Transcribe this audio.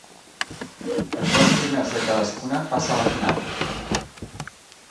Els dos primers de cadascuna passa a la final.